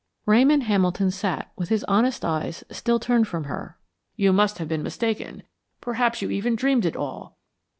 Ramon Hamilton sat with his honest eyes still turned from her. "You must have been mistaken; perhaps you even dreamed it all."